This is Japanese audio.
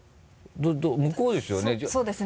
向こうですよね？